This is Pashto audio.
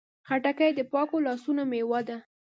خټکی د پاکو لاسونو میوه ده.